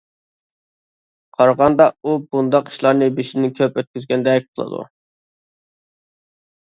قارىغاندا ئۇ بۇنداق ئىشلارنى بېشىدىن كۆپ ئۆتكۈزگەندەك قىلىدۇ.